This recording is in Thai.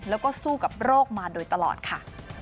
แล้วก็สู้กับโรคมาโดยตลอดค่ะ